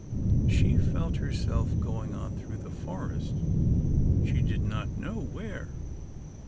She felt herself going on through the forest, she did not know where.